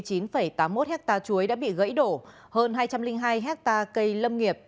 chín tám mươi một hectare chuối đã bị gãy đổ hơn hai trăm linh hai hectare cây lâm nghiệp